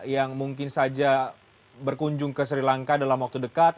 yang mungkin saja berkunjung ke sri lanka dalam waktu dekat